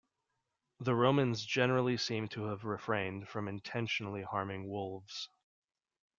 The Romans generally seem to have refrained from intentionally harming wolves.